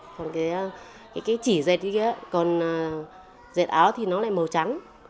còn cái chỉ dệt kia còn dệt áo thì nó lại màu trắng